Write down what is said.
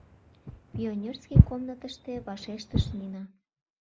Пионерский комнатыште, — вашештыш Нина.